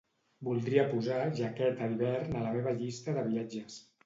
Voldria posar jaqueta d'hivern a la meva llista de viatges.